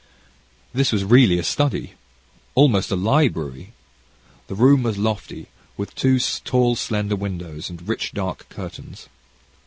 This was really a study almost a library. The room was lofty, with two tall slender windows, and rich dark curtains.